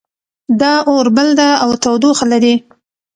دا اور بل ده او تودوخه لري